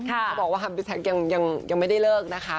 เขาบอกว่าฮัมพี่แท็กยังไม่ได้เลิกนะคะ